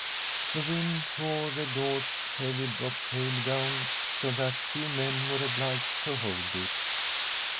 The wind tore the Doge's heavy brocade gown, so that two men were obliged to hold it.